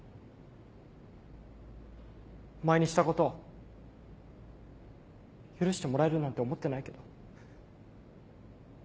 お前にしたこと許してもらえるなんて思ってないけど。